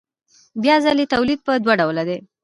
بیا ځلي تولید په دوه ډوله دی